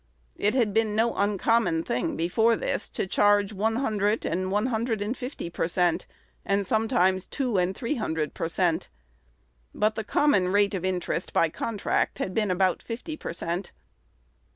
It had been no uncommon thing before this to charge one hundred and one hundred and fifty per cent, and sometimes two and three hundred per cent. But the common rate of interest, by contract, had been about fifty per cent.